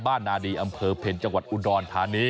บ้านนาดีอำเภอเพลย์จังหวัดอุดรธานี